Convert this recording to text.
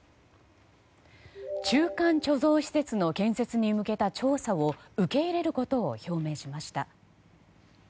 中間貯蔵施設の建設に向けた調査を受け入れることを表明しました。